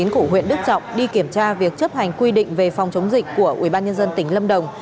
của huyện đức trọng đi kiểm tra việc chấp hành quy định về phòng chống dịch của ubnd tỉnh lâm đồng